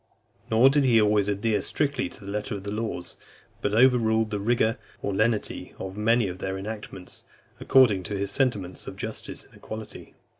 Nor did he always adhere strictly to the letter of the laws, but overruled the rigour or lenity of many of their enactments, according to his sentiments of justice and equity.